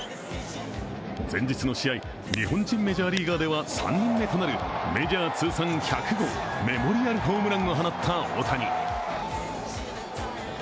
前日の試合、日本人メジャーリーガーでは３人目となるメジャー通算１００号メモリアルホームランを放った大谷。